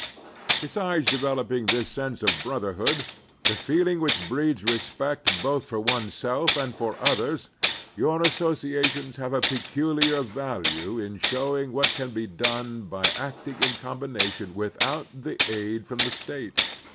Besides developing this sense of brotherhood, the feeling which breeds respect both for one's self and for others, your associations have a peculiar 3o8 The Strenuous Life value in showing what can be done by acting in combination without aid from the State.